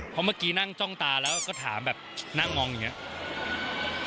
เพราะเมื่อกี้นั่งจ้องตาแล้วก็ถามแบบนั่งมองอย่างนี้